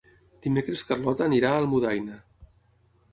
Dimecres na Carlota irà a Almudaina.